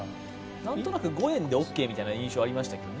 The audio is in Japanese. なんとなく５円でＯＫみたいな印象ありましたけどね。